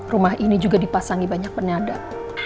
rumah ini juga dipasangi banyak penyadap